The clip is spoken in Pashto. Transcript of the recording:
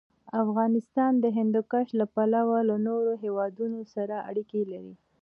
افغانستان د هندوکش له پلوه له نورو هېوادونو سره اړیکې لري.